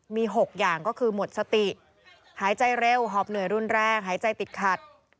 มี๖อย่างก็คือหมดสติหายใจเร็วหอบเหนื่อยรุนแรงหายใจติดขัด